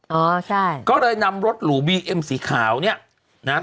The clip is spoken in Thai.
อ๋อใช่ก็เลยนำรถหรูบีเอ็มสีขาวเนี่ยนะ